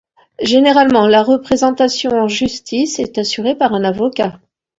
Généralement, la représentation en justice est assurée par un avocat.